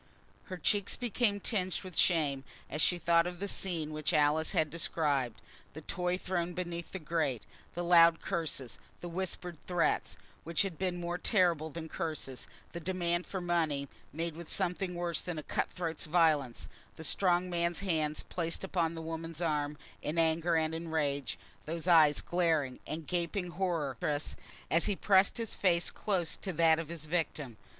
Her cheeks became tinged with shame as she thought of the scene which Alice had described, the toy thrown beneath the grate, the loud curses, the whispered threats, which had been more terrible than curses, the demand for money, made with something worse than a cut throat's violence, the strong man's hand placed upon the woman's arm in anger and in rage, those eyes glaring, and the gaping horror of that still raw cicatrice, as he pressed his face close to that of his victim!